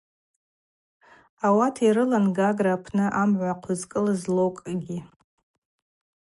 Ауат йрылан Гагра апны амгӏва хъвызкӏылыз локӏгьи.